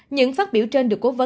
những phát biểu trên được cố vấn